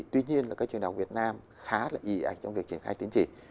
tuy nhiên là các trường đại học việt nam khá là ý ảnh trong việc triển khai tiến chỉ